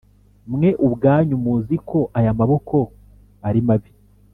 Mwe ubwanyu muzi ko aya maboko ari mabi